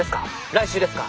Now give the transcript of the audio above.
来週ですか？